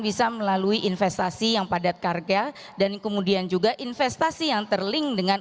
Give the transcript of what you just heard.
bisa melalui investasi yang padat karga dan kemudian juga investasi yang terlink dengan